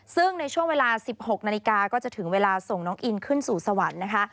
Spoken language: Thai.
ซึ่งในช่วงเวลา๑๖นาฬิกาก็จะถึงเวลาส่งน้องอินขึ้นสู่สวรรค์นะคะ